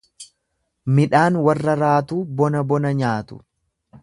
Midhaan warra raatuu bona bona nyaatu.